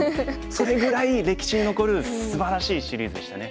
それぐらい歴史に残るすばらしいシリーズでしたね。